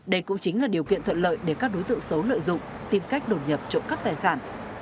đây cũng chính là điều kiện thuận lợi để các đối tượng xấu lợi dụng tìm cách đột nhập trộm cắp tài sản